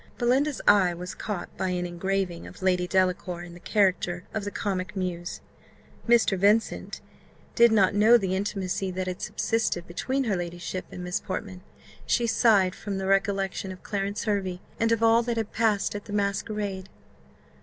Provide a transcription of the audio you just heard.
Belinda's eye was caught by an engraving of Lady Delacour in the character of the comic muse. Mr. Vincent did not know the intimacy that had subsisted between her ladyship and Miss Portman she sighed from the recollection of Clarence Hervey, and of all that had passed at the masquerade.